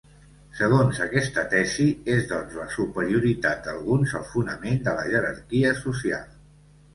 Segons aquesta tesi, és doncs la superioritat d'alguns el fonament de la jerarquia social.